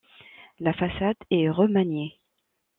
La façade est remaniée.